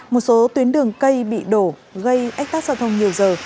một số tuyến đường cây bị đổ gây ách tác giao thông nhiều giờ